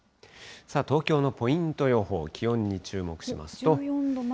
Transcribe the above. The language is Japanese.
東京のポイント予報、気温に注目しますと。